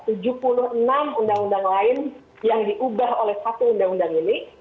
ada tujuh puluh enam undang undang lain yang diubah oleh satu undang undang ini